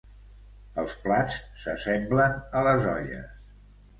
Els plats s'assemblen a les olles